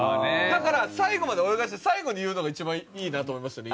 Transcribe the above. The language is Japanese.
だから最後まで泳がして最後に言うのが一番いいなと思いましたね